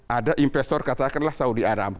ada investor katakanlah saudi arab